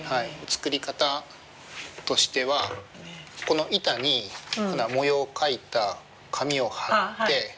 作り方としてはこの板に模様を描いた紙を貼って。